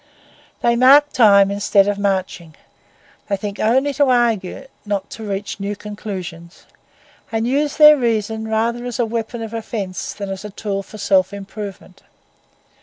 They mark time instead of marching. They think only to argue, not to reach new conclusions, and use their reason rather as a weapon of offense than as a tool for self improvement.